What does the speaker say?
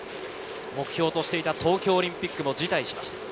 目標としていた東京オリンピックも辞退しました。